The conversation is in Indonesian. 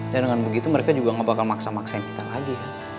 dan dengan begitu mereka juga nggak bakal maksa maksain kita lagi ya